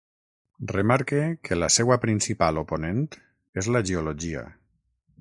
Remarque que la seua principal oponent és la geologia.